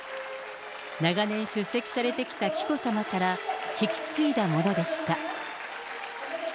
長年出席されてきた紀子さまから、引き継いだものでした。